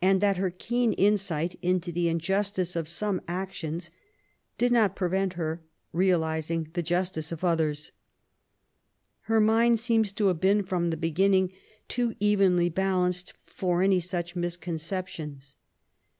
11 that her keen insight into the injustice of some actions did not prevent her realizing the justice of others* Her mind seems to have been from the beginning too evenly balanced for any such misconceptions.